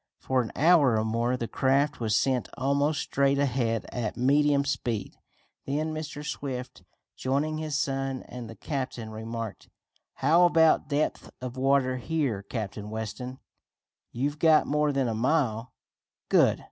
For an hour or more the craft was sent almost straight ahead at medium speed. Then Mr. Swift, joining his son and the captain, remarked: "How about depth of water here, Captain Weston?" "You've got more than a mile." "Good!